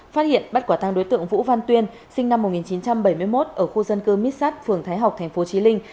phát hiện bắt quả tăng đối tượng vũ văn tuyên sinh năm một nghìn chín trăm bảy mươi một ở khu dân cư miết sát phường thái học tp chí linh